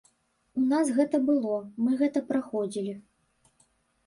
У нас гэта было, мы гэта праходзілі.